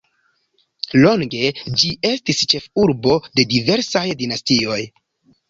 Longe ĝi estis ĉefurbo de diversaj dinastioj.